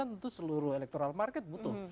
tentu seluruh electoral market butuh